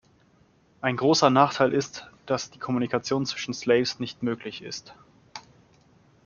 Ein großer Nachteil ist, dass die Kommunikation zwischen Slaves nicht möglich ist.